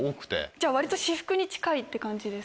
じゃあ割と私服に近いって感じですか？